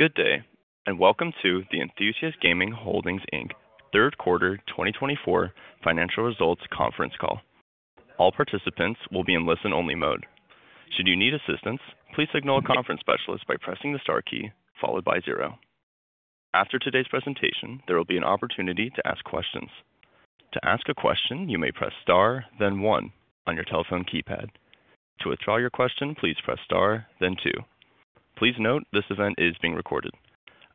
Good day, and welcome to the Enthusiast Gaming Holdings Inc, third quarter 2024 financial results conference call. All participants will be in listen-only mode. Should you need assistance, please signal a conference specialist by pressing the star key followed by zero. After today's presentation, there will be an opportunity to ask questions. To ask a question, you may press star, then one, on your telephone keypad. To withdraw your question, please press star, then two. Please note this event is being recorded.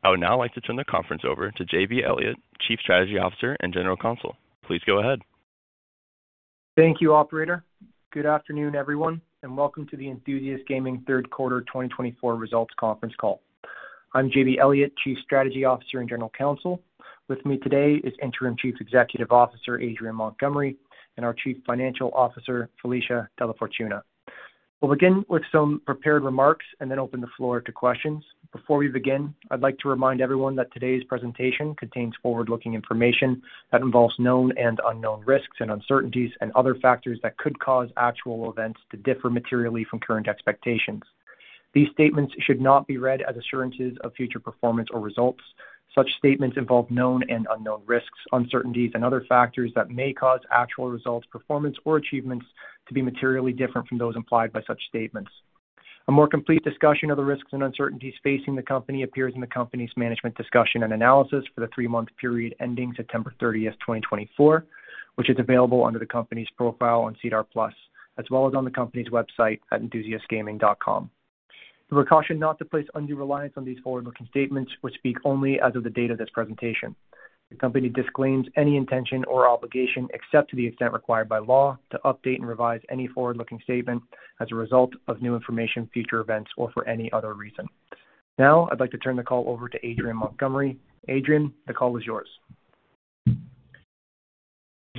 I would now like to turn the conference over to J.B. Elliott, Chief Strategy Officer and General Counsel. Please go ahead. Thank you, operator. Good afternoon, everyone, and welcome to the Enthusiast Gaming third quarter 2024 results conference call. I'm J.B. Elliott, Chief Strategy Officer and General Counsel. With me today is Interim Chief Executive Officer Adrian Montgomery and our Chief Financial Officer, Felicia DellaFortuna. We'll begin with some prepared remarks and then open the floor to questions. Before we begin, I'd like to remind everyone that today's presentation contains forward-looking information that involves known and unknown risks and uncertainties and other factors that could cause actual events to differ materially from current expectations. These statements should not be read as assurances of future performance or results. Such statements involve known and unknown risks, uncertainties, and other factors that may cause actual results, performance, or achievements to be materially different from those implied by such statements. A more complete discussion of the risks and uncertainties facing the company appears in the company's management discussion and analysis for the three-month period ending September 30th, 2024, which is available under the company's profile on SEDAR+, as well as on the company's website at enthusiastgaming.com. The precaution not to place undue reliance on these forward-looking statements would speak only as of the date of this presentation. The company disclaims any intention or obligation except to the extent required by law to update and revise any forward-looking statement as a result of new information, future events, or for any other reason. Now, I'd like to turn the call over to Adrian Montgomery. Adrian, the call is yours. Thank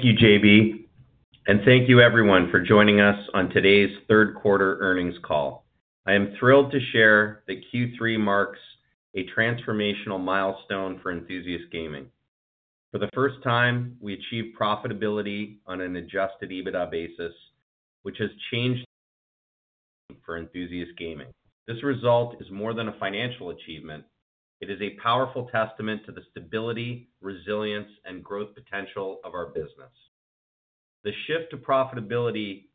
you, J.B., and thank you, everyone, for joining us on today's third quarter earnings call. I am thrilled to share that Q3 marks a transformational milestone for Enthusiast Gaming. For the first time, we achieved profitability on an adjusted EBITDA basis, which has changed for Enthusiast Gaming. This result is more than a financial achievement. It is a powerful testament to the stability, resilience, and growth potential of our business. The shift to profitability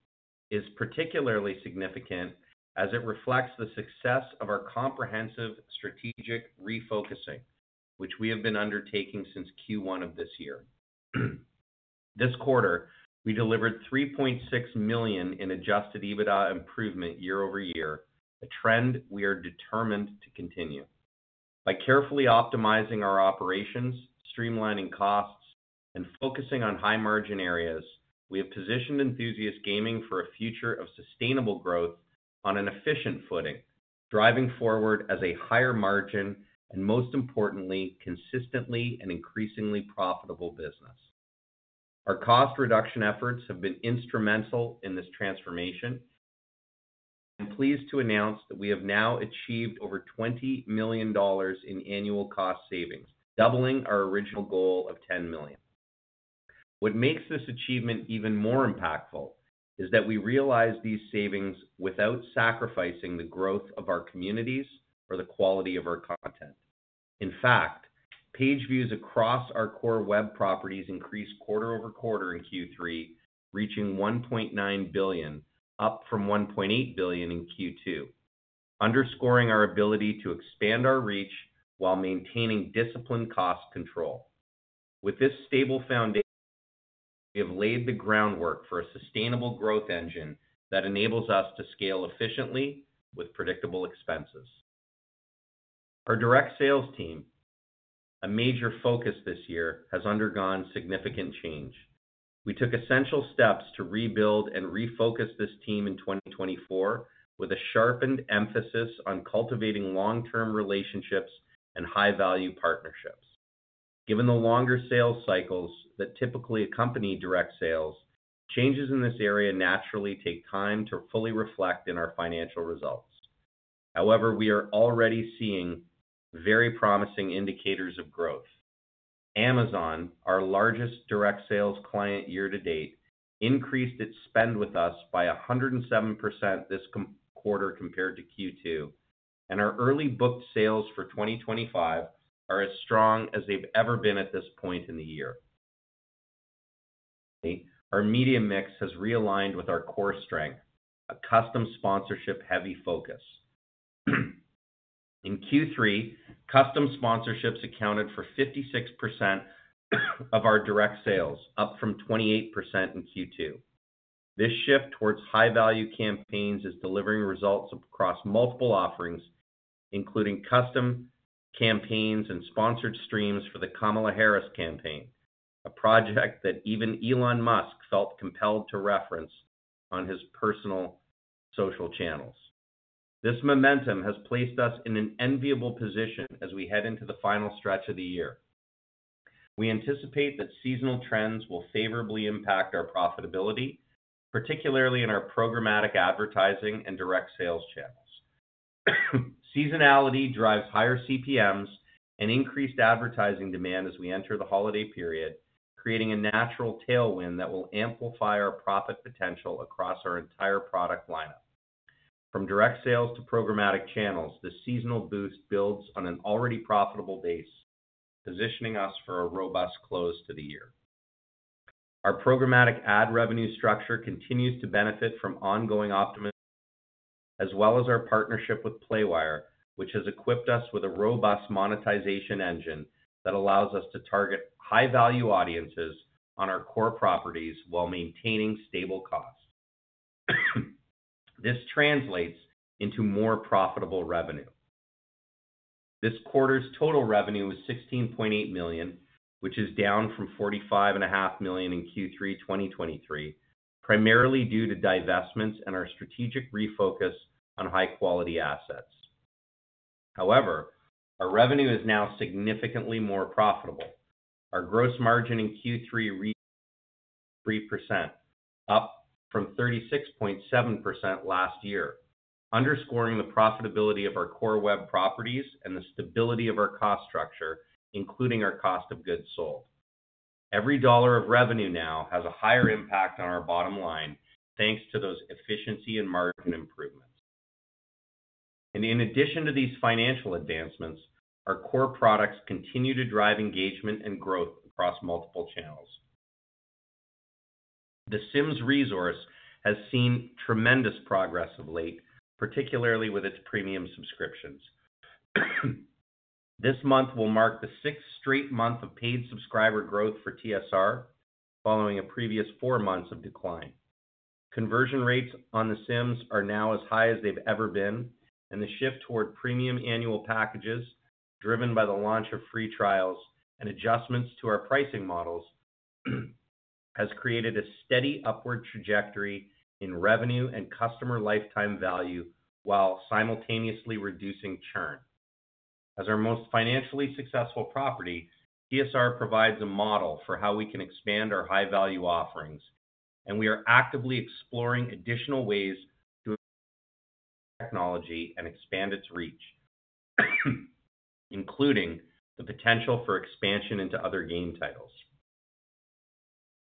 is particularly significant as it reflects the success of our comprehensive strategic refocusing, which we have been undertaking since Q1 of this year. This quarter, we delivered 3.6 million in adjusted EBITDA improvement year-over-year, a trend we are determined to continue. By carefully optimizing our operations, streamlining costs, and focusing on high-margin areas, we have positioned Enthusiast Gaming for a future of sustainable growth on an efficient footing, driving forward as a higher-margin and, most importantly, consistently and increasingly profitable business. Our cost reduction efforts have been instrumental in this transformation, and I'm pleased to announce that we have now achieved over 20 million dollars in annual cost savings, doubling our original goal of 10 million. What makes this achievement even more impactful is that we realize these savings without sacrificing the growth of our communities or the quality of our content. In fact, page views across our core web properties increased quarter-over-quarter in Q3, reaching 1.9 billion, up from 1.8 billion in Q2, underscoring our ability to expand our reach while maintaining disciplined cost control. With this stable foundation, we have laid the groundwork for a sustainable growth engine that enables us to scale efficiently with predictable expenses. Our direct sales team, a major focus this year, has undergone significant change. We took essential steps to rebuild and refocus this team in 2024, with a sharpened emphasis on cultivating long-term relationships and high-value partnerships. Given the longer sales cycles that typically accompany direct sales, changes in this area naturally take time to fully reflect in our financial results. However, we are already seeing very promising indicators of growth. Amazon, our largest direct sales client year-to-date, increased its spend with us by 107% this quarter compared to Q2, and our early-booked sales for 2025 are as strong as they've ever been at this point in the year. Our media mix has realigned with our core strength: a custom sponsorship-heavy focus. In Q3, custom sponsorships accounted for 56% of our direct sales, up from 28% in Q2. This shift towards high-value campaigns is delivering results across multiple offerings, including custom campaigns and sponsored streams for the Kamala Harris campaign, a project that even Elon Musk felt compelled to reference on his personal social channels. This momentum has placed us in an enviable position as we head into the final stretch of the year. We anticipate that seasonal trends will favorably impact our profitability, particularly in our programmatic advertising and direct sales channels. Seasonality drives higher CPMs and increased advertising demand as we enter the holiday period, creating a natural tailwind that will amplify our profit potential across our entire product lineup. From direct sales to programmatic channels, this seasonal boost builds on an already profitable base, positioning us for a robust close to the year. Our programmatic ad revenue structure continues to benefit from ongoing optimization, as well as our partnership with Playwire, which has equipped us with a robust monetization engine that allows us to target high-value audiences on our core properties while maintaining stable costs. This translates into more profitable revenue. This quarter's total revenue was 16.8 million, which is down from 45.5 million in Q3 2023, primarily due to divestments and our strategic refocus on high-quality assets. However, our revenue is now significantly more profitable. Our gross margin in Q3 reached 3%, up from 36.7% last year, underscoring the profitability of our core web properties and the stability of our cost structure, including our cost of goods sold. Every dollar of revenue now has a higher impact on our bottom line, thanks to those efficiency and margin improvements. In addition to these financial advancements, our core products continue to drive engagement and growth across multiple channels. The Sims Resource has seen tremendous progress of late, particularly with its premium subscriptions. This month will mark the sixth straight month of paid subscriber growth for TSR, following a previous four months of decline. Conversion rates on the Sims are now as high as they've ever been, and the shift toward premium annual packages, driven by the launch of free trials and adjustments to our pricing models, has created a steady upward trajectory in revenue and customer lifetime value while simultaneously reducing churn. As our most financially successful property, TSR provides a model for how we can expand our high-value offerings, and we are actively exploring additional ways to improve our technology and expand its reach, including the potential for expansion into other game titles.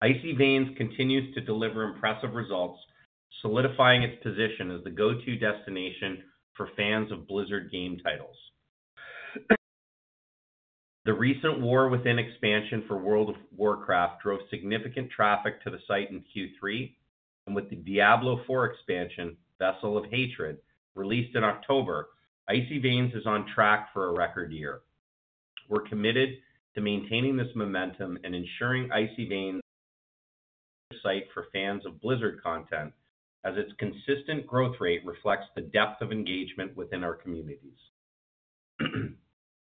Icy Veins continues to deliver impressive results, solidifying its position as the go-to destination for fans of Blizzard game titles. The recent The War Within expansion for World of Warcraft drove significant traffic to the site in Q3, and with the Diablo IV expansion, Vessel of Hatred, released in October, Icy Veins is on track for a record year. We're committed to maintaining this momentum and ensuring Icy Veins is a site for fans of Blizzard content, as its consistent growth rate reflects the depth of engagement within our communities.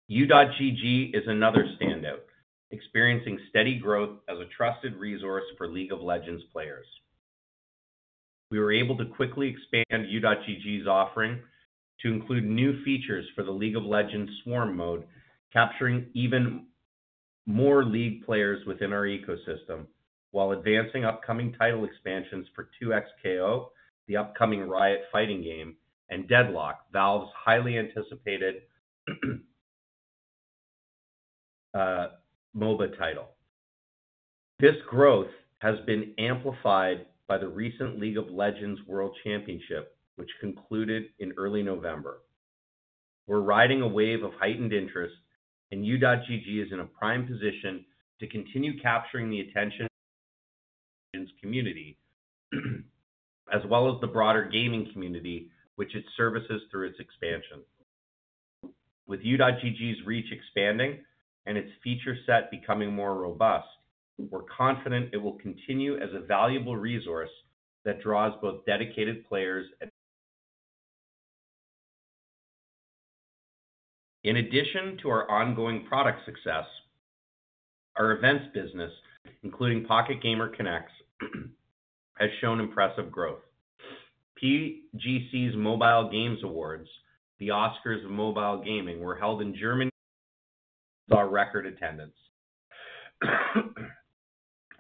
U.GG is another standout, experiencing steady growth as a trusted resource for League of Legends players. We were able to quickly expand U.GG's offering to include new features for the League of Legends Swarm mode, capturing even more League players within our ecosystem, while advancing upcoming title expansions for 2XKO, the upcoming Riot fighting game, and Deadlock, Valve's highly anticipated MOBA title. This growth has been amplified by the recent League of Legends World Championship, which concluded in early November. We're riding a wave of heightened interest, and U.GG is in a prime position to continue capturing the attention of the Legends community, as well as the broader gaming community, which it services through its expansion. With U.GG's reach expanding and its feature set becoming more robust, we're confident it will continue as a valuable resource that draws both dedicated players and. In addition to our ongoing product success, our events business, including Pocket Gamer Connects, has shown impressive growth. PGC's Mobile Games Awards, the Oscars of Mobile Gaming, were held in Germany with our record attendance,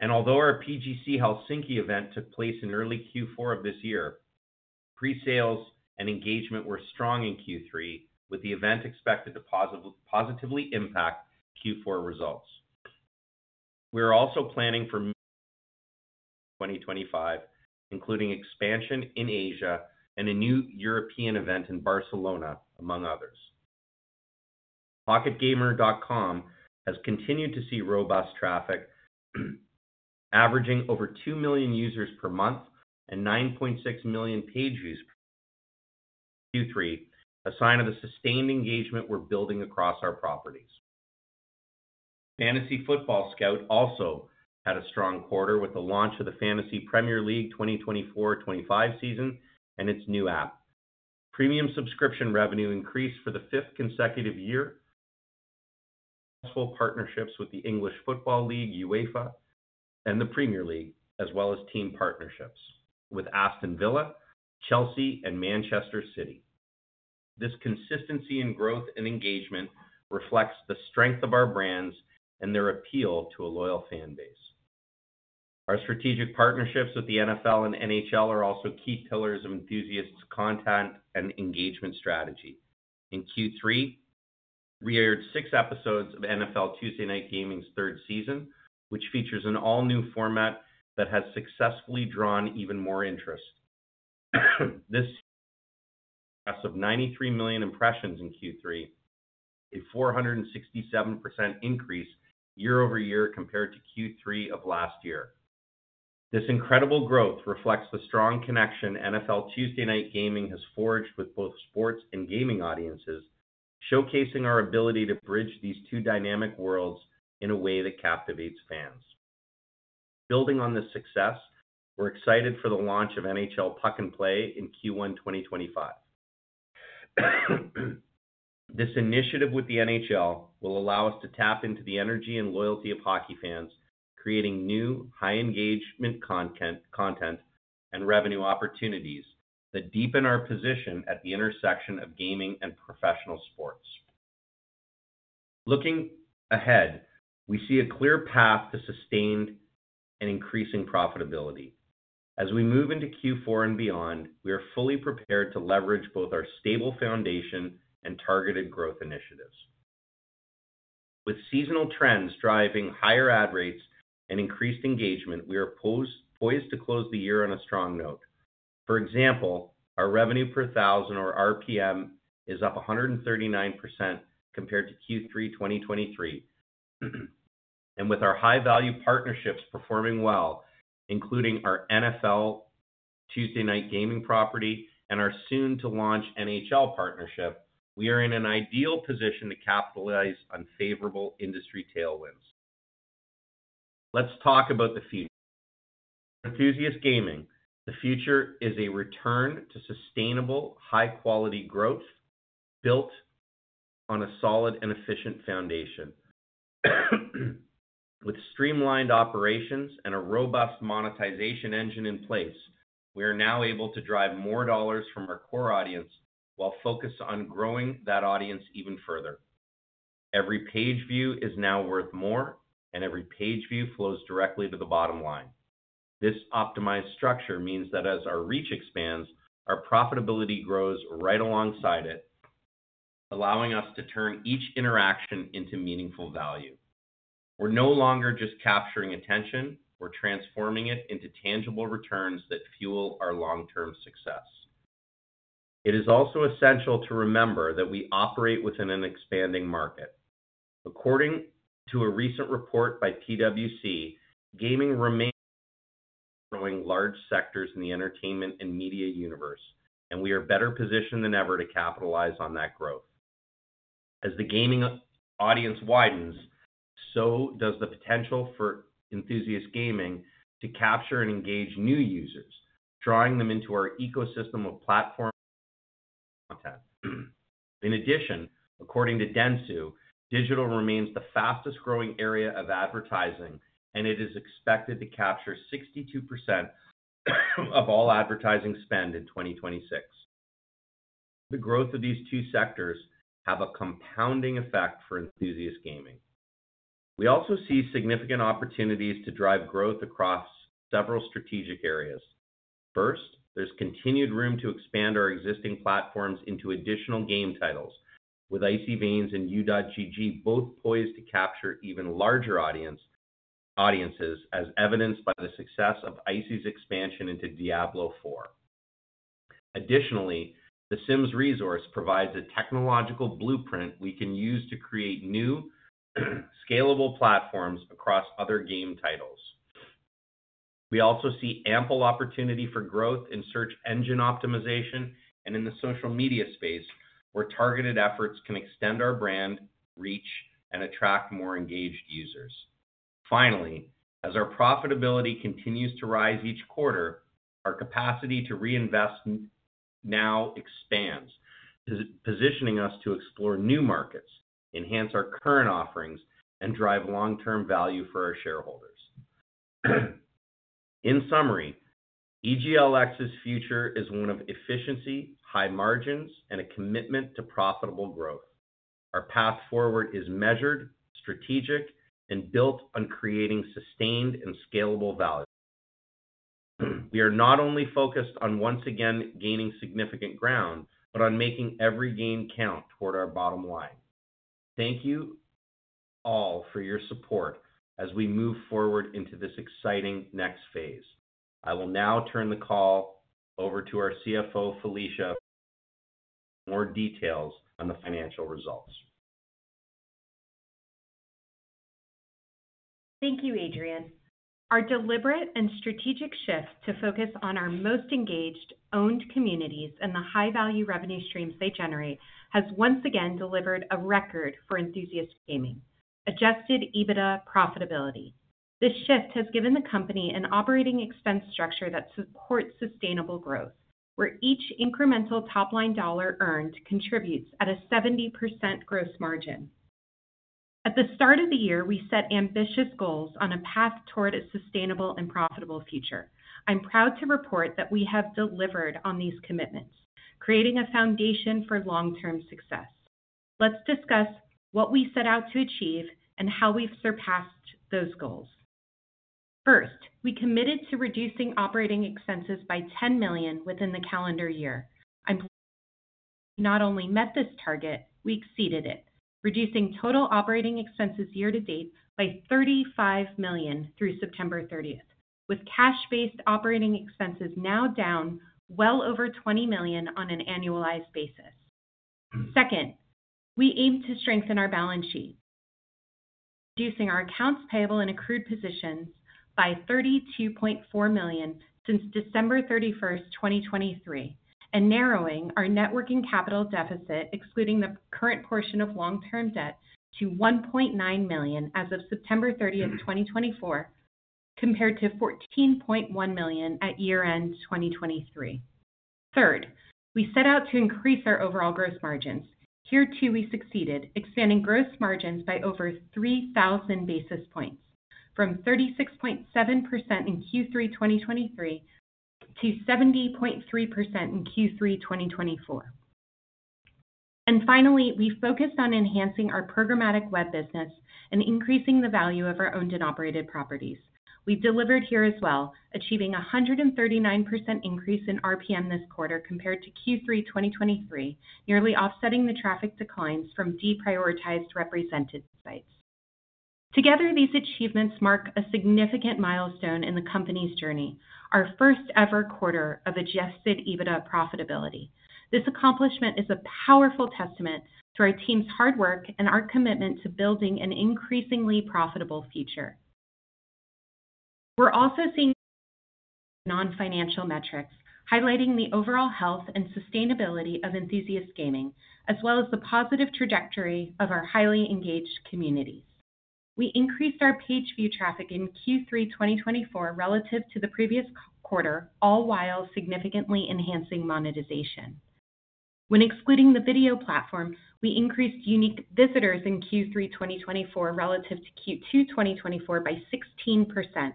and although our PGC Helsinki event took place in early Q4 of this year, pre-sales and engagement were strong in Q3, with the event expected to positively impact Q4 results. We are also planning for 2025, including expansion in Asia and a new European event in Barcelona, among others. PocketGamer.com has continued to see robust traffic, averaging over 2 million users per month and 9.6 million page views per month in Q3, a sign of the sustained engagement we're building across our properties. Fantasy Football Scout also had a strong quarter with the launch of the Fantasy Premier League 2024, 2025 season and its new app. Premium subscription revenue increased for the fifth consecutive year, with successful partnerships with the English Football League, UEFA, and the Premier League, as well as team partnerships with Aston Villa, Chelsea, and Manchester City. This consistency in growth and engagement reflects the strength of our brands and their appeal to a loyal fanbase. Our strategic partnerships with the NFL and NHL are also key pillars of Enthusiast's content and engagement strategy. In Q3, we aired six episodes of NFL Tuesday Night Gaming's third season, which features an all-new format that has successfully drawn even more interest. This season has seen an impressive 93 million impressions in Q3, a 467% increase year-over-year compared to Q3 of last year. This incredible growth reflects the strong connection NFL Tuesday Night Gaming has forged with both sports and gaming audiences, showcasing our ability to bridge these two dynamic worlds in a way that captivates fans. Building on this success, we're excited for the launch of NHL Puck and Play in Q1 2025. This initiative with the NHL will allow us to tap into the energy and loyalty of hockey fans, creating new, high-engagement content and revenue opportunities that deepen our position at the intersection of gaming and professional sports. Looking ahead, we see a clear path to sustained and increasing profitability. As we move into Q4 and beyond, we are fully prepared to leverage both our stable foundation and targeted growth initiatives. With seasonal trends driving higher ad rates and increased engagement, we are poised to close the year on a strong note. For example, our revenue per thousand, or RPM, is up 139% compared to Q3 2023, and with our high-value partnerships performing well, including our NFL Tuesday Night Gaming property and our soon-to-launch NHL partnership, we are in an ideal position to capitalize on favorable industry tailwinds. Let's talk about the future. For Enthusiast Gaming, the future is a return to sustainable, high-quality growth built on a solid and efficient foundation. With streamlined operations and a robust monetization engine in place, we are now able to drive more dollars from our core audience while focusing on growing that audience even further. Every page view is now worth more, and every page view flows directly to the bottom line. This optimized structure means that as our reach expands, our profitability grows right alongside it, allowing us to turn each interaction into meaningful value. We're no longer just capturing attention. We're transforming it into tangible returns that fuel our long-term success. It is also essential to remember that we operate within an expanding market. According to a recent report by PwC, gaming remains one of the growing large sectors in the entertainment and media universe, and we are better positioned than ever to capitalize on that growth. As the gaming audience widens, so does the potential for Enthusiast Gaming to capture and engage new users, drawing them into our ecosystem of platform content. In addition, according to Dentsu, digital remains the fastest-growing area of advertising, and it is expected to capture 62% of all advertising spend in 2026. The growth of these two sectors has a compounding effect for Enthusiast Gaming. We also see significant opportunities to drive growth across several strategic areas. First, there's continued room to expand our existing platforms into additional game titles, with Icy Veins and U.GG both poised to capture even larger audiences, as evidenced by the success of Icy's expansion into Diablo IV. Additionally, the Sims Resource provides a technological blueprint we can use to create new, scalable platforms across other game titles. We also see ample opportunity for growth in search engine optimization and in the social media space, where targeted efforts can extend our brand reach and attract more engaged users. Finally, as our profitability continues to rise each quarter, our capacity to reinvest now expands, positioning us to explore new markets, enhance our current offerings, and drive long-term value for our shareholders. In summary, EGLX's future is one of efficiency, high margins, and a commitment to profitable growth. Our path forward is measured, strategic, and built on creating sustained and scalable value. We are not only focused on once again gaining significant ground, but on making every gain count toward our bottom line. Thank you all for your support as we move forward into this exciting next phase. I will now turn the call over to our CFO, Felicia, for more details on the financial results. Thank you, Adrian. Our deliberate and strategic shift to focus on our most engaged, owned communities and the high-value revenue streams they generate has once again delivered a record for Enthusiast Gaming: Adjusted EBITDA profitability. This shift has given the company an operating expense structure that supports sustainable growth, where each incremental top-line dollar earned contributes at a 70% gross margin. At the start of the year, we set ambitious goals on a path toward a sustainable and profitable future. I'm proud to report that we have delivered on these commitments, creating a foundation for long-term success. Let's discuss what we set out to achieve and how we've surpassed those goals. First, we committed to reducing operating expenses by 10 million within the calendar year. I'm pleased we not only met this target. We exceeded it, reducing total operating expenses year-to-date by 35 million through September 30th, with cash-based operating expenses now down well over 20 million on an annualized basis. Second, we aim to strengthen our balance sheet, reducing our accounts payable and accrued positions by 32.4 million since December 31st, 2023, and narrowing our net working capital deficit, excluding the current portion of long-term debt, to 1.9 million as of September 30th, 2024, compared to 14.1 million at year-end 2023. Third, we set out to increase our overall gross margins. Here too, we succeeded, expanding gross margins by over 3,000 basis points, from 36.7% in Q3 2023 to 70.3% in Q3 2024, and finally, we focused on enhancing our programmatic web business and increasing the value of our owned and operated properties. We delivered here as well, achieving a 139% increase in RPM this quarter compared to Q3 2023, nearly offsetting the traffic declines from deprioritized represented sites. Together, these achievements mark a significant milestone in the company's journey: our first-ever quarter of adjusted EBITDA profitability. This accomplishment is a powerful testament to our team's hard work and our commitment to building an increasingly profitable future. We're also seeing non-financial metrics highlighting the overall health and sustainability of Enthusiast Gaming, as well as the positive trajectory of our highly engaged communities. We increased our page view traffic in Q3 2024 relative to the previous quarter, all while significantly enhancing monetization. When excluding the video platform, we increased unique visitors in Q3 2024 relative to Q2 2024 by 16%.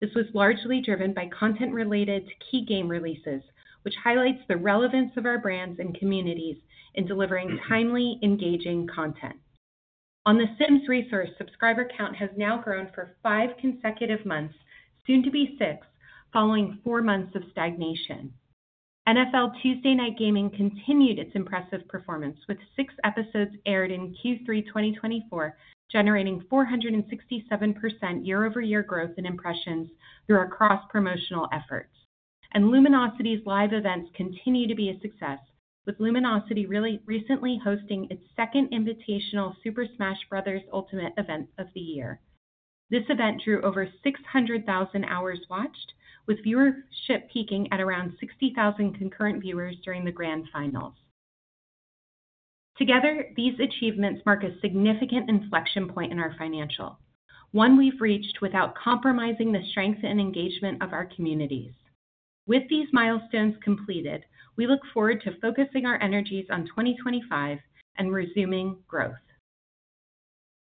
This was largely driven by content related to key game releases, which highlights the relevance of our brands and communities in delivering timely, engaging content. On The Sims Resource, subscriber count has now grown for five consecutive months, soon to be six, following four months of stagnation. NFL Tuesday Night Gaming continued its impressive performance, with six episodes aired in Q3 2024, generating 467% year-over-year growth in impressions through our cross-promotional efforts. And Luminosity's live events continue to be a success, with Luminosity recently hosting its second invitational Super Smash Bros. Ultimate event of the year. This event drew over 600,000 hours watched, with viewership peaking at around 60,000 concurrent viewers during the grand finals. Together, these achievements mark a significant inflection point in our financials, one we've reached without compromising the strength and engagement of our communities. With these milestones completed, we look forward to focusing our energies on 2025 and resuming growth.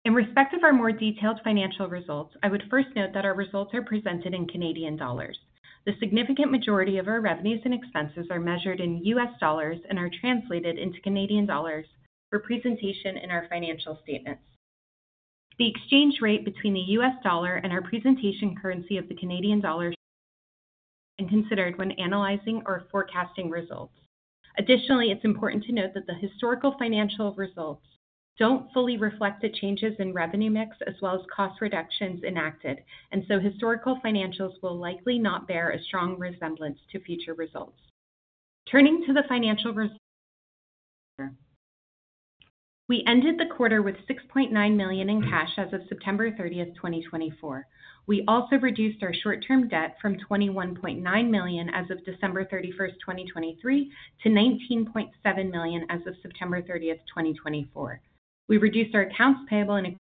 In respect of our more detailed financial results, I would first note that our results are presented in Canadian dollars. The significant majority of our revenues and expenses are measured in U.S. dollars and are translated into Canadian dollars for presentation in our financial statements. The exchange rate between the U.S. dollar and our presentation currency of the Canadian dollar is considered when analyzing or forecasting results. Additionally, it's important to note that the historical financial results don't fully reflect the changes in revenue mix as well as cost reductions enacted, and so historical financials will likely not bear a strong resemblance to future results. Turning to the financial results, we ended the quarter with 6.9 million in cash as of September 30th, 2024. We also reduced our short-term debt from 21.9 million as of December 31st, 2023, to 19.7 million as of September 30th, 2024. We reduced our accounts payable in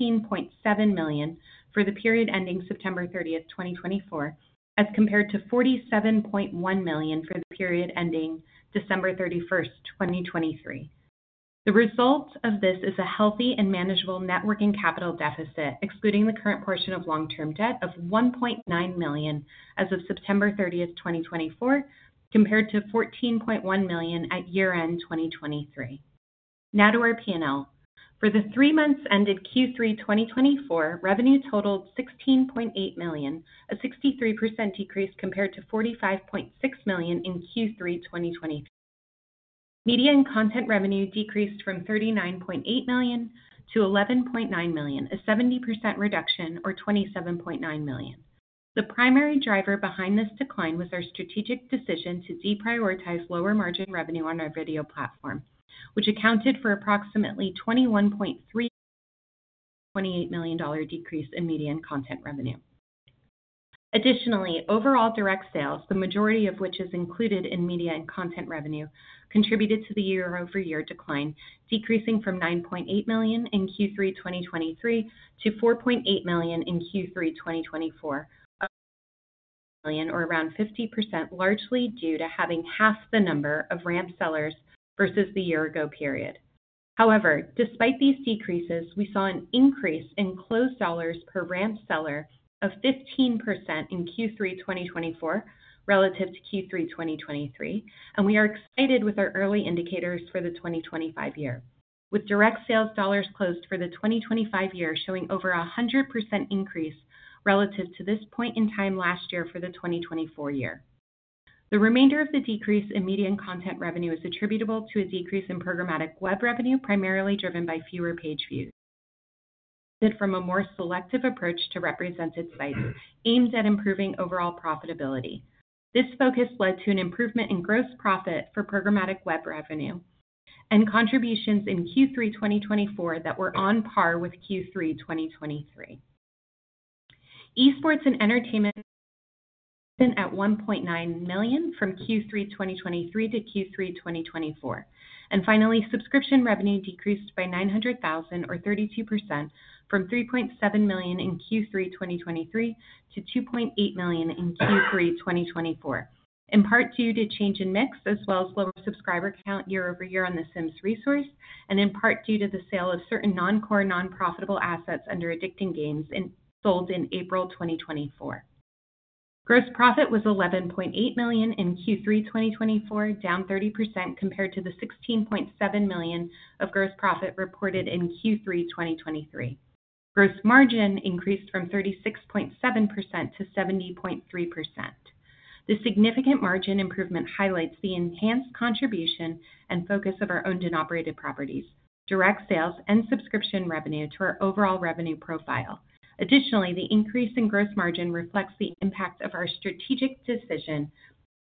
18.7 million for the period ending September 30th, 2024, as compared to 47.1 million for the period ending December 31st, 2023. The result of this is a healthy and manageable net working capital deficit, excluding the current portion of long-term debt of 1.9 million as of September 30th, 2024, compared to 14.1 million at year-end 2023. Now to our P&L. For the three months ended Q3 2024, revenue totaled CAD 16.8 million, a 63% decrease compared to CAD 45.6 million in Q3 2023. Media and content revenue decreased from CAD 39.8 million to CAD 11.9 million, a 70% reduction or CAD 27.9 million. The primary driver behind this decline was our strategic decision to deprioritize lower-margin revenue on our video platform, which accounted for approximately 21.3 million in 28 million dollar decrease in media and content revenue. Additionally, overall direct sales, the majority of which is included in media and content revenue, contributed to the year-over-year decline, decreasing from 9.8 million in Q3 2023 to 4.8 million in Q3 2024, or around 50%, largely due to having half the number of ramp sellers versus the year-ago period. However, despite these decreases, we saw an increase in closed dollars per ramp seller of 15% in Q3 2024 relative to Q3 2023, and we are excited with our early indicators for the 2025 year, with direct sales dollars closed for the 2025 year showing over a 100% increase relative to this point in time last year for the 2024 year. The remainder of the decrease in media and content revenue is attributable to a decrease in programmatic web revenue, primarily driven by fewer page views, from a more selective approach to represented sites aimed at improving overall profitability. This focus led to an improvement in gross profit for programmatic web revenue and contributions in Q3 2024 that were on par with Q3 2023. Esports and entertainment at 1.9 million from Q3 2023-Q3 2024, and finally, subscription revenue decreased by 900,000, or 32%, from 3.7 million in Q3 2023 to 2.8 million in Q3 2024, in part due to change in mix, as well as lower subscriber count year-over-year on The Sims Resource, and in part due to the sale of certain non-core, non-profitable assets under Addicting Games sold in April 2024. Gross profit was 11.8 million in Q3 2024, down 30% compared to the 16.7 million of gross profit reported in Q3 2023. Gross margin increased from 36.7%-70.3%. This significant margin improvement highlights the enhanced contribution and focus of our owned and operated properties, direct sales, and subscription revenue to our overall revenue profile. Additionally, the increase in gross margin reflects the impact of our strategic decision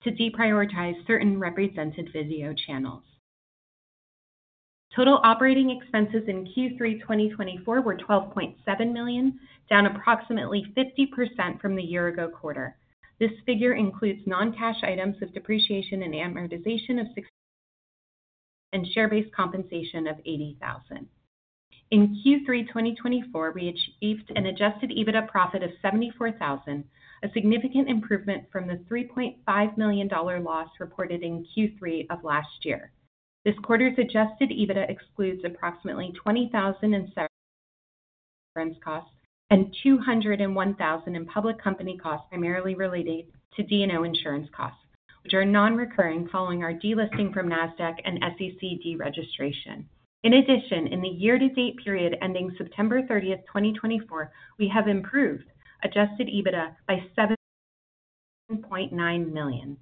to deprioritize certain represented video channels. Total operating expenses in Q3 2024 were 12.7 million, down approximately 50% from the year-ago quarter. This figure includes non-cash items of depreciation and amortization of 60,000 and share-based compensation of 80,000. In Q3 2024, we achieved an adjusted EBITDA profit of 74,000, a significant improvement from the 3.5 million dollar loss reported in Q3 of last year. This quarter's adjusted EBITDA excludes approximately 20,000 in severance costs and 201,000 in public company costs, primarily related to D&O insurance costs, which are non-recurring following our delisting from Nasdaq and SEC deregistration. In addition, in the year-to-date period ending September 30th, 2024, we have improved adjusted EBITDA by 7.9 million.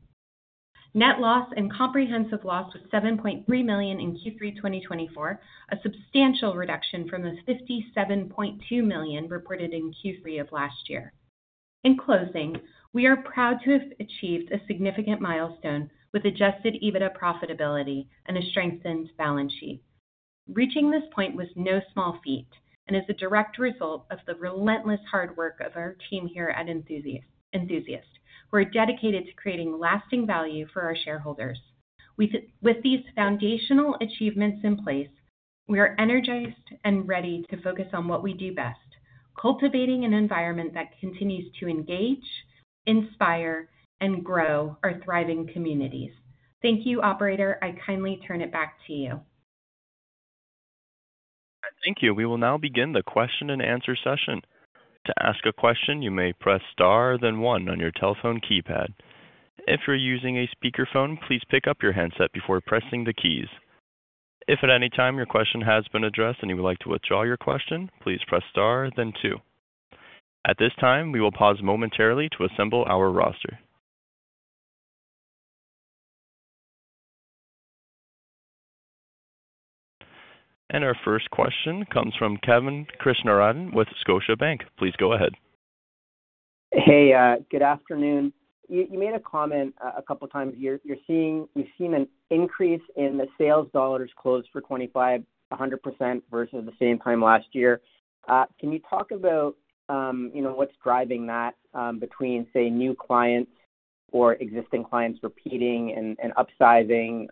Net loss and comprehensive loss was 7.3 million in Q3 2024, a substantial reduction from the 57.2 million reported in Q3 of last year. In closing, we are proud to have achieved a significant milestone with adjusted EBITDA profitability and a strengthened balance sheet. Reaching this point was no small feat and is a direct result of the relentless hard work of our team here at Enthusiast. We're dedicated to creating lasting value for our shareholders. With these foundational achievements in place, we are energized and ready to focus on what we do best: cultivating an environment that continues to engage, inspire, and grow our thriving communities. Thank you, operator. I kindly turn it back to you. Thank you. We will now begin the question and answer session. To ask a question, you may press star, then one on your telephone keypad. If you're using a speakerphone, please pick up your handset before pressing the keys. If at any time your question has been addressed and you would like to withdraw your question, please press star, then two. At this time, we will pause momentarily to assemble our roster, and our first question comes from Kevin Krishnaratne with Scotiabank. Please go ahead. Hey, good afternoon. You made a comment a couple of times here. You're seeing an increase in the sales dollars closed for 2025, 100% versus the same time last year. Can you talk about what's driving that between, say, new clients or existing clients repeating and upsizing,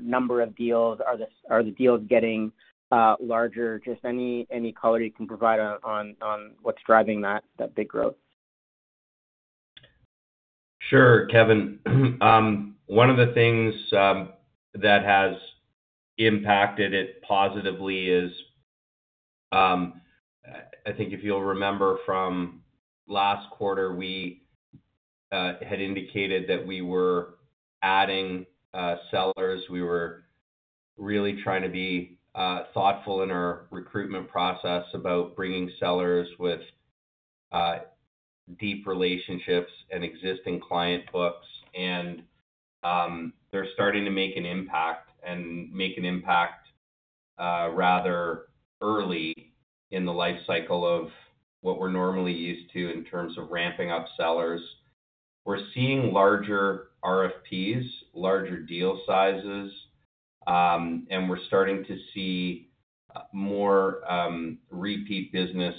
number of deals? Are the deals getting larger? Just any color you can provide on what's driving that big growth. Sure, Kevin. One of the things that has impacted it positively is, I think if you'll remember from last quarter, we had indicated that we were adding sellers. We were really trying to be thoughtful in our recruitment process about bringing sellers with deep relationships and existing client books. And they're starting to make an impact rather early in the life cycle of what we're normally used to in terms of ramping up sellers. We're seeing larger RFPs, larger deal sizes, and we're starting to see more repeat business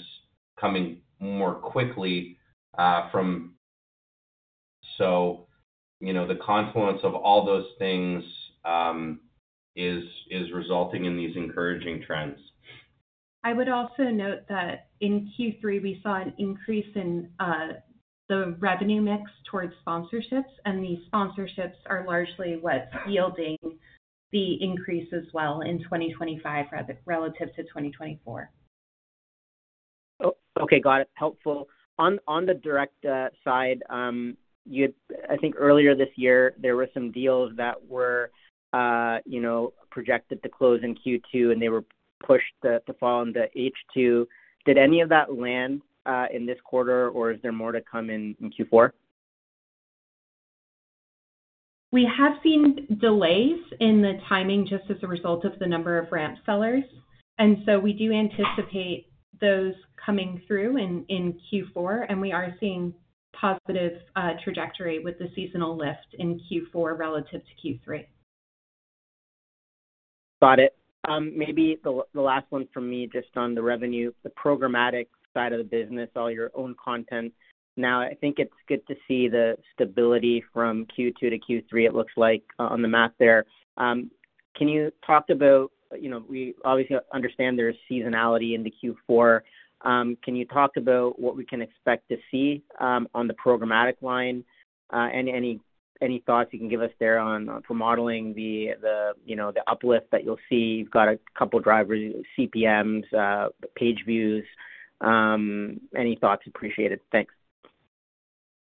coming more quickly from. So the confluence of all those things is resulting in these encouraging trends. I would also note that in Q3, we saw an increase in the revenue mix towards sponsorships, and the sponsorships are largely what's yielding the increase as well in 2025 relative to 2024. Okay, got it. Helpful. On the direct side, I think earlier this year, there were some deals that were projected to close in Q2, and they were pushed to fall into H2. Did any of that land in this quarter, or is there more to come in Q4? We have seen delays in the timing just as a result of the number of ramp sellers. And so we do anticipate those coming through in Q4, and we are seeing positive trajectory with the seasonal lift in Q4 relative to Q3. Got it. Maybe the last one from me just on the revenue, the programmatic side of the business, all your own content. Now, I think it's good to see the stability from Q2-Q3, it looks like, on the map there. Can you talk about, we obviously understand there's seasonality in the Q4. Can you talk about what we can expect to see on the programmatic line? Any thoughts you can give us there for modeling the uplift that you'll see? You've got a couple of drivers, CPMs, page views. Any thoughts? Appreciate it. Thanks.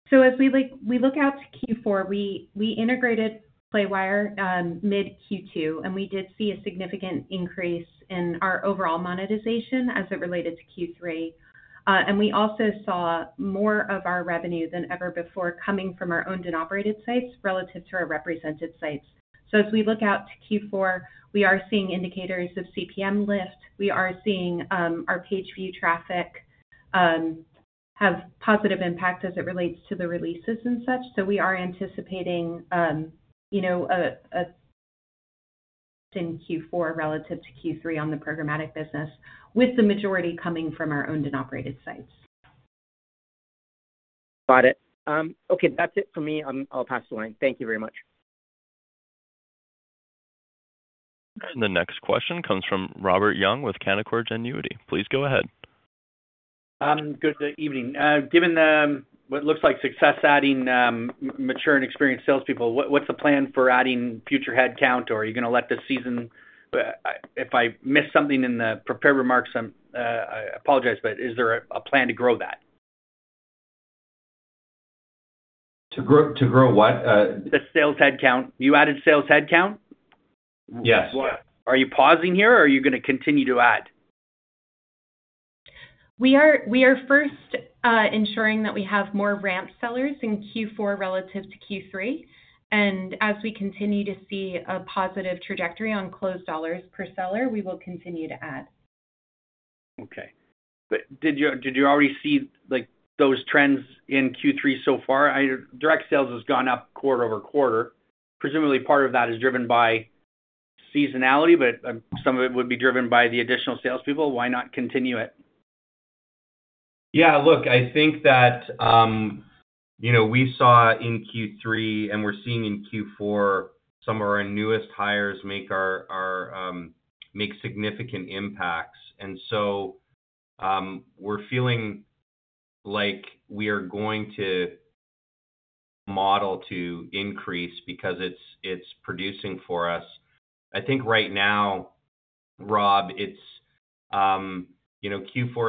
So as we look out to Q4, we integrated Playwire mid-Q2, and we did see a significant increase in our overall monetization as it related to Q3. And we also saw more of our revenue than ever before coming from our owned and operated sites relative to our represented sites. So as we look out to Q4, we are seeing indicators of CPM lift. We are seeing our page view traffic have a positive impact as it relates to the releases and such. So we are anticipating a lift in Q4 relative to Q3 on the programmatic business, with the majority coming from our owned and operated sites. Got it. Okay, that's it for me. I'll pass the line. Thank you very much. And the next question comes from Robert Young with Canaccord Genuity. Please go ahead. Good evening. Given what looks like success adding mature and experienced salespeople, what's the plan for adding future headcount, or are you going to let the season? If I missed something in the prepared remarks, I apologize, but is there a plan to grow that? To grow what? The sales headcount. You added sales headcount? Yes. Are you pausing here, or are you going to continue to add? We are first ensuring that we have more ramp sellers in Q4 relative to Q3. And as we continue to see a positive trajectory on closed dollars per seller, we will continue to add. Okay. But did you already see those trends in Q3 so far? Direct sales has gone up quarter-over-quarter. Presumably, part of that is driven by seasonality, but some of it would be driven by the additional salespeople. Why not continue it? Yeah, look, I think that we saw in Q3, and we're seeing in Q4, some of our newest hires make significant impacts. We're feeling like we are going to headcount to increase because it's producing for us. I think right now, Rob, Q4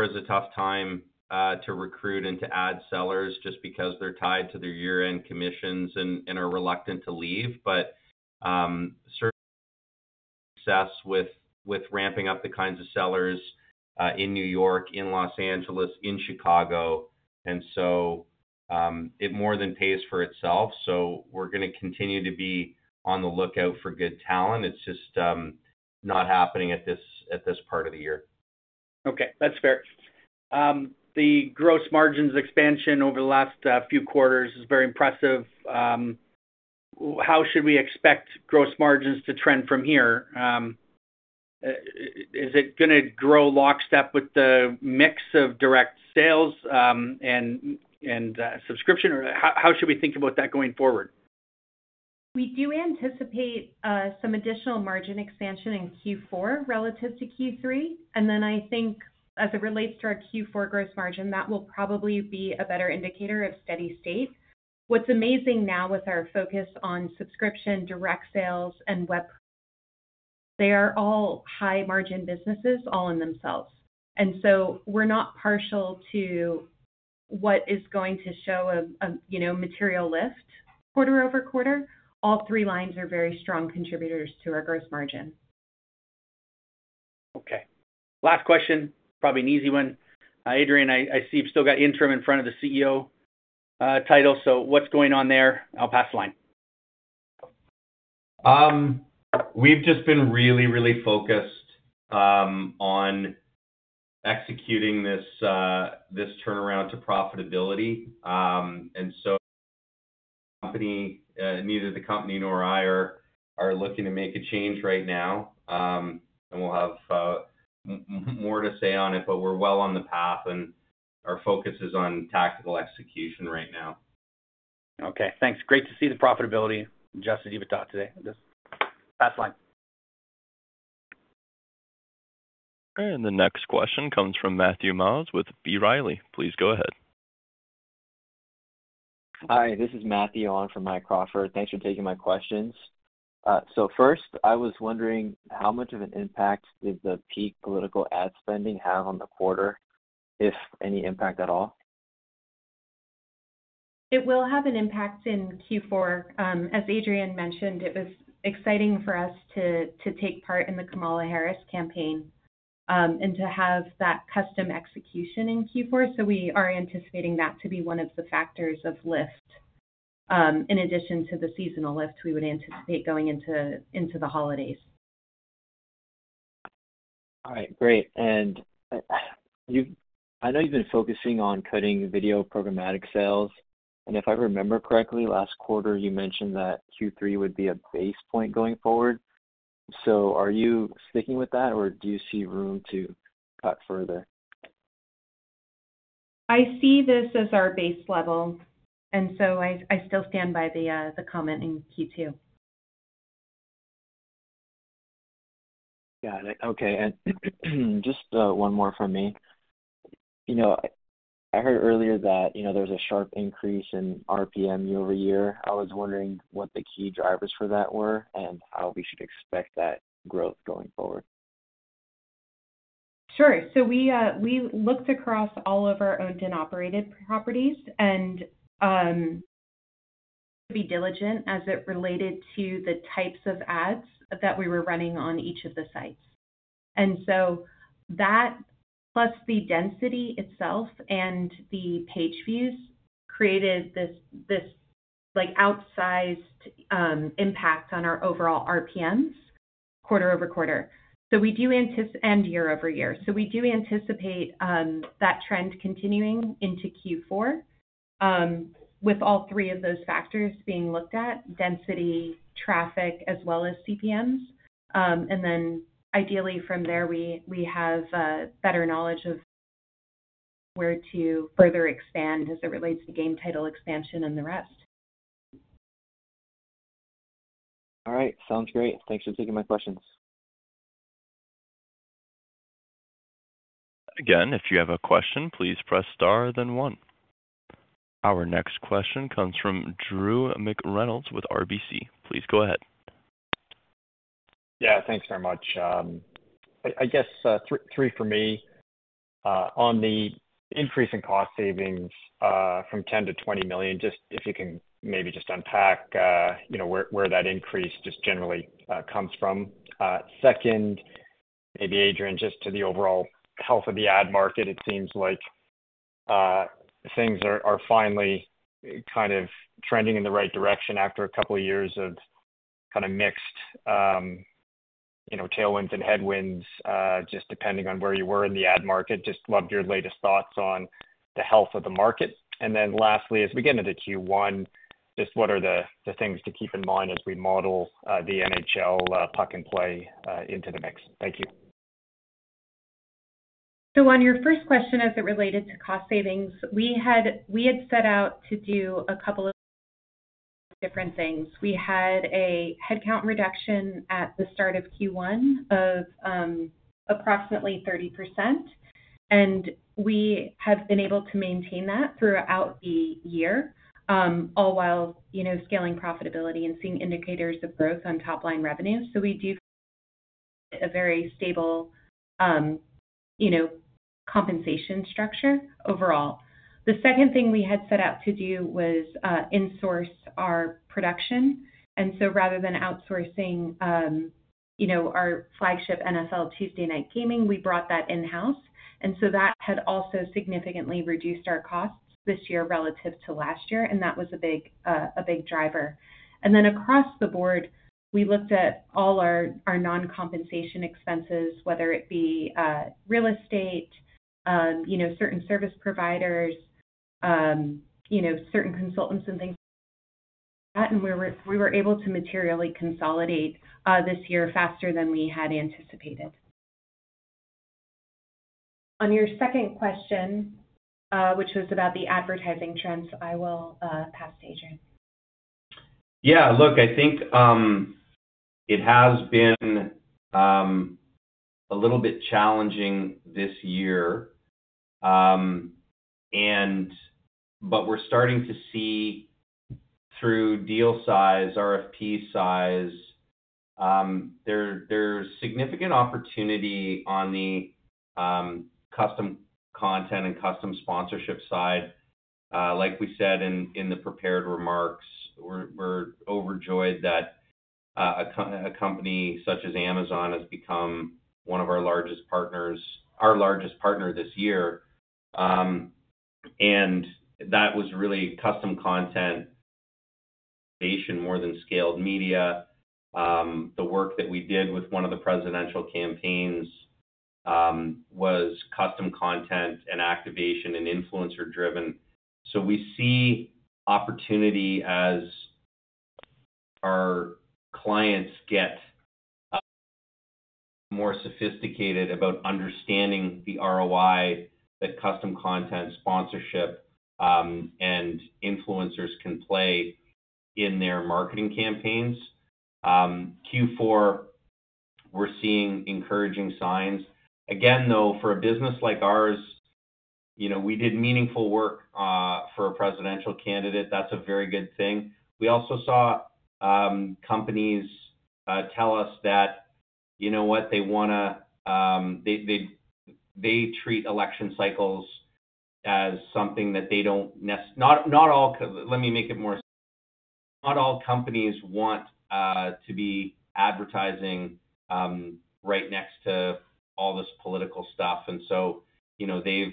is a tough time to recruit and to add sellers just because they're tied to their year-end commissions and are reluctant to leave. But we're seeing success with ramping up the kinds of sellers in New York, in Los Angeles, in Chicago. And so it more than pays for itself. So we're going to continue to be on the lookout for good talent. It's just not happening at this part of the year. Okay, that's fair. The gross margins expansion over the last few quarters is very impressive. How should we expect gross margins to trend from here? Is it going to grow lockstep with the mix of direct sales and subscription? How should we think about that going forward? We do anticipate some additional margin expansion in Q4 relative to Q3. And then I think as it relates to our Q4 gross margin, that will probably be a better indicator of steady state. What's amazing now with our focus on subscription, direct sales, and web, they are all high-margin businesses all in themselves. And so we're not partial to what is going to show a material lift quarter-over-quarter. All three lines are very strong contributors to our gross margin. Okay. Last question, probably an easy one. Adrian, I see you've still got interim in front of the CEO title. So what's going on there? I'll pass the line. We've just been really, really focused on executing this turnaround to profitability. And so neither the company nor I are looking to make a change right now. And we'll have more to say on it, but we're well on the path, and our focus is on tactical execution right now. Okay, thanks. Great to see the profitability just in EBITDA today. Pass the line. And the next question comes from Matthew Miles with B. Riley. Please go ahead. Hi, this is Matthew on for Mike Crawford. Thanks for taking my questions. So first, I was wondering how much of an impact did the peak political ad spending have on the quarter, if any impact at all? It will have an impact in Q4. As Adrian mentioned, it was exciting for us to take part in the Kamala Harris campaign and to have that custom execution in Q4. So we are anticipating that to be one of the factors of lift in addition to the seasonal lift we would anticipate going into the holidays. All right, great. And I know you've been focusing on cutting video programmatic sales. And if I remember correctly, last quarter, you mentioned that Q3 would be a base point going forward. So are you sticking with that, or do you see room to cut further? I see this as our base level. And so I still stand by the comment in Q2. Got it. Okay. And just one more from me. I heard earlier that there was a sharp increase in RPM year-over-year. I was wondering what the key drivers for that were and how we should expect that growth going forward. Sure. So we looked across all of our owned and operated properties and to be diligent as it related to the types of ads that we were running on each of the sites. And so that, plus the density itself and the page views, created this outsized impact on our overall RPMs quarter-over-quarter. So we do anticipate and year-over-year. So we do anticipate that trend continuing into Q4 with all three of those factors being looked at: density, traffic, as well as CPMs. And then ideally, from there, we have better knowledge of where to further expand as it relates to game title expansion and the rest. All right. Sounds great. Thanks for taking my questions. Again, if you have a question, please press star, then one. Our next question comes from Drew McReynolds with RBC. Please go ahead. Yeah, thanks very much. I guess three for me on the increase in cost savings from 10 million to 20 million, just if you can maybe just unpack where that increase just generally comes from. Second, maybe Adrian, just to the overall health of the ad market, it seems like things are finally kind of trending in the right direction after a couple of years of kind of mixed tailwinds and headwinds, just depending on where you were in the ad market. Just loved your latest thoughts on the health of the market. And then lastly, as we get into Q1, just what are the things to keep in mind as we model the NHL Puck and Play into the mix? Thank you. So on your first question as it related to cost savings, we had set out to do a couple of different things. We had a headcount reduction at the start of Q1 of approximately 30%. And we have been able to maintain that throughout the year, all while scaling profitability and seeing indicators of growth on top-line revenue. So we do have a very stable compensation structure overall. The second thing we had set out to do was insource our production. And so rather than outsourcing our flagship NFL Tuesday Night Gaming, we brought that in-house. And so that had also significantly reduced our costs this year relative to last year, and that was a big driver. And then across the board, we looked at all our non-compensation expenses, whether it be real estate, certain service providers, certain consultants, and things like that. And we were able to materially consolidate this year faster than we had anticipated. On your second question, which was about the advertising trends, I will pass to Adrian. Yeah, look, I think it has been a little bit challenging this year. But we're starting to see through deal size, RFP size, there's significant opportunity on the custom content and custom sponsorship side. Like we said in the prepared remarks, we're overjoyed that a company such as Amazon has become one of our largest partners, our largest partner this year. And that was really custom content activation more than scaled media. The work that we did with one of the presidential campaigns was custom content and activation and influencer-driven. So we see opportunity as our clients get more sophisticated about understanding the ROI that custom content, sponsorship, and influencers can play in their marketing campaigns. Q4, we're seeing encouraging signs. Again, though, for a business like ours, we did meaningful work for a presidential candidate. That's a very good thing. We also saw companies tell us that, you know what, they treat election cycles as something that not all companies want to be advertising right next to all this political stuff. And so they've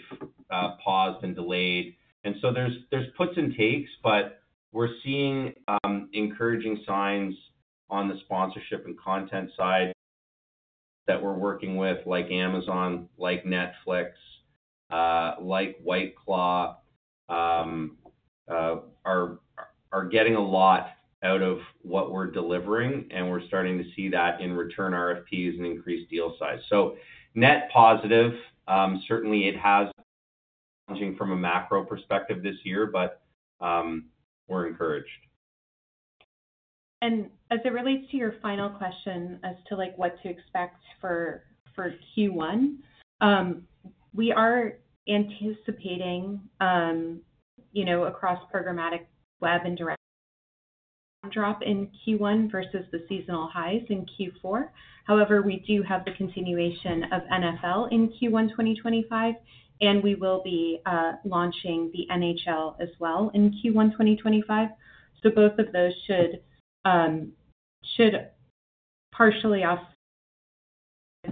paused and delayed. And so there's puts and takes, but we're seeing encouraging signs on the sponsorship and content side that we're working with, like Amazon, like Netflix, like White Claw, are getting a lot out of what we're delivering. And we're starting to see that in return RFPs and increased deal size. So net positive. Certainly, it has been challenging from a macro perspective this year, but we're encouraged. And as it relates to your final question as to what to expect for Q1, we are anticipating across programmatic web and direct drop in Q1 versus the seasonal highs in Q4. However, we do have the continuation of NFL in Q1 2025, and we will be launching the NHL as well in Q1 2025. So both of those should partially offset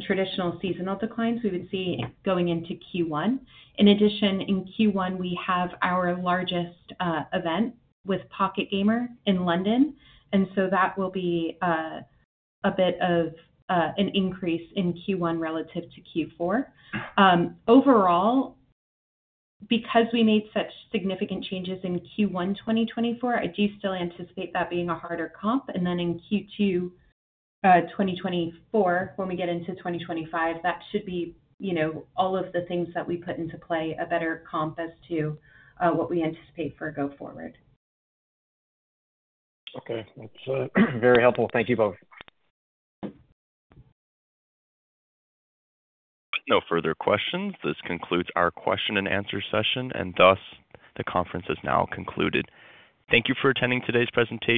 traditional seasonal declines we would see going into Q1. In addition, in Q1, we have our largest event with Pocket Gamer in London. And so that will be a bit of an increase in Q1 relative to Q4. Overall, because we made such significant changes in Q1 2024, I do still anticipate that being a harder comp. And then in Q2 2024, when we get into 2025, that should be all of the things that we put into play, a better comp as to what we anticipate for go forward. Okay. That's very helpful. Thank you both. No further questions. This concludes our question and answer session, and thus the conference is now concluded. Thank you for attending today's presentation.